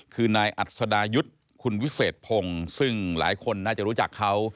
คือนายอัศดายุทธ์คุณวิเศษพงศ์ซึ่งหลายคนน่าจะรู้จักเขา